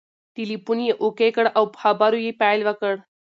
ټلیفون یې اوکې کړ او په خبرو یې پیل وکړ.